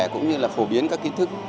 cũng như là phổ biến các kiến thức